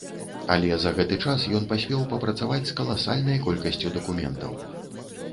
Але за гэты час ён паспеў папрацаваць з каласальнай колькасцю дакументаў.